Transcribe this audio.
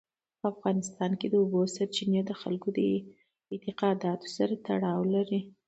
په افغانستان کې د اوبو سرچینې د خلکو د اعتقاداتو سره تړاو لري.